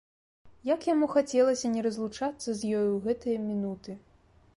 Як яму хацелася не разлучацца з ёю ў гэтыя мінуты!